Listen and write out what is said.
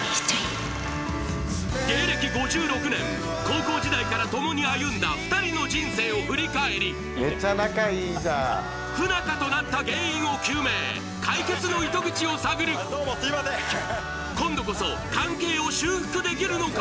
芸歴５６年高校時代から共に歩んだ２人の人生を振り返りめちゃ仲いいじゃん不仲となった原因を究明解決の糸口を探るどうもすいません今度こそ関係を修復できるのか？